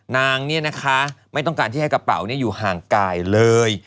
นางเนี่ยนะคะไม่ต้องการที่ให้กระเป๋าอยู่ห่างกายเลย